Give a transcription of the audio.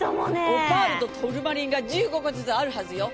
オパールとトルマリンが１５個ずつあるはずよ！